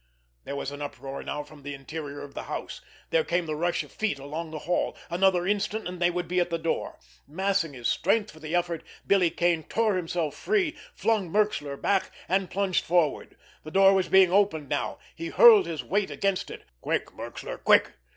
There was an uproar now from the interior of the house. There came the rush of feet along the hall. Another instant and they would be at the door. Massing his strength for the effort, Billy Kane tore himself free, flung Merxler back, and plunged forward. The door was being opened now. He hurled his weight against it. "Quick, Merxler! Quick!